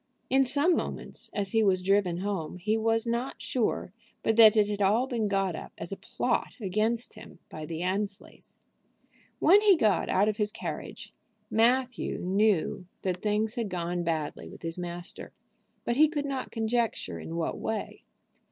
In some moments, as he was driven home, he was not sure but that it had all been got up as a plot against him by the Annesleys. When he got out of his carriage Matthew knew that things had gone badly with his master; but he could not conjecture in what way.